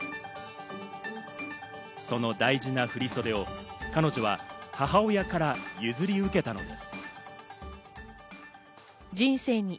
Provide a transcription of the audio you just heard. その大事な振り袖を彼女は母親から譲り受けたのです。